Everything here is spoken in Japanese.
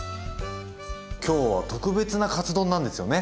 今日は特別なカツ丼なんですよね？